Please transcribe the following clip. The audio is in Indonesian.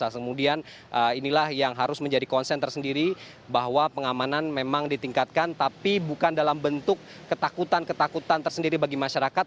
yang menyebutkan bahwa sel sel teroris ini adalah hal yang harus menjadi konsen tersendiri bahwa pengamanan memang ditingkatkan tapi bukan dalam bentuk ketakutan ketakutan tersendiri bagi masyarakat